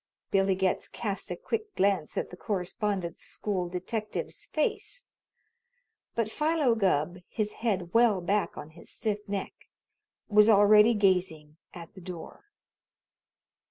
Billy Getz cast a quick glance at the Correspondence School detective's face, but Philo Gubb, his head well back on his stiff neck, was already gazing at the door.